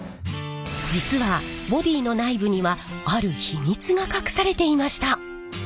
実はボディーの内部にはある秘密が隠されていました。